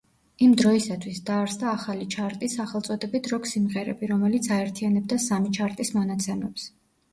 იმ დროისათვის დაარსდა ახალი ჩარტი სახელწოდებით „როკ-სიმღერები“, რომელიც აერთიანებდა სამი ჩარტის მონაცემებს.